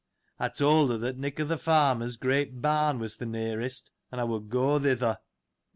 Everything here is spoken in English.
I told her that Nick o' th' Farmer's great barn was th' nearest, and I would go thither.